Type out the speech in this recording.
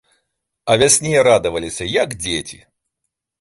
А вясне радаваліся, як дзеці.